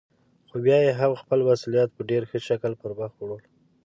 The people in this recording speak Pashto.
خو بيا يې هم خپل مسئوليت په ډېر ښه شکل پرمخ وړه.